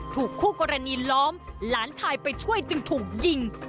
ถูกคู่กรณีล้อมหลานชายไปช่วยจึงถูกยิง